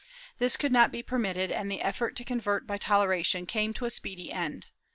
^ This could not be permitted, and the effort to convert by toleration came to a speedy end.